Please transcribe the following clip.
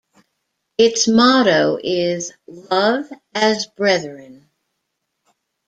Its motto is "Love as Brethren".